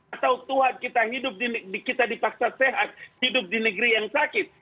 atau tuhan kita hidup kita dipaksa sehat hidup di negeri yang sakit